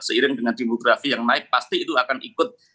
seiring dengan demografi yang naik pasti itu akan ikut